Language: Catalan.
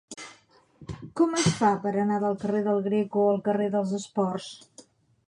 Com es fa per anar del carrer del Greco al carrer dels Esports?